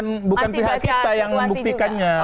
bukan pihak kita yang membuktikannya